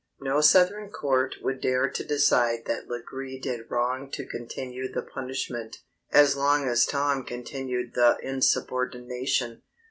No Southern court would dare to decide that Legree did wrong to continue the punishment, as long as Tom continued the insubordination.